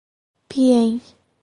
Piên